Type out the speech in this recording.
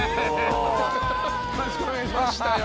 よろしくお願いします。